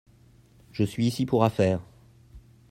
Je suis ici pour affaires.